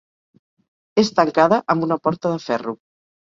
És tancada amb una porta de ferro.